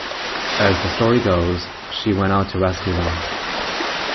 As the story goes, she went out to rescue them.